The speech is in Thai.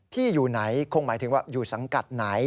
อยู่ไหนคงหมายถึงว่าอยู่สังกัดไหน